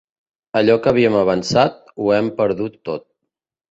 Allò que havíem avançat, ho hem perdut tot.